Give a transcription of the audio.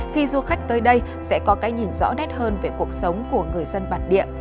khi du khách tới đây sẽ có cái nhìn rõ nét hơn về cuộc sống của người dân bản địa